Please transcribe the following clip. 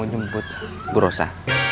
saya mau jemput bu rosa